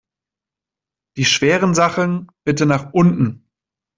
Die schweren Sachen bitte nach unten!